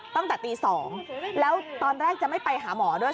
ตั้งแต่ตี๒แล้วตอนแรกจะไม่ไปหาหมอด้วย